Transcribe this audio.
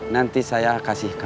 nanti saya kasih kemu